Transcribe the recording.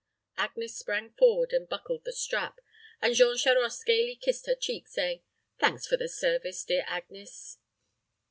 Agnes sprang forward and buckled the strap, and Jean Charost gayly kissed her cheek, saying, "Thanks for the service, dear Agnes."